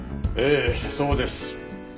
ええそうです。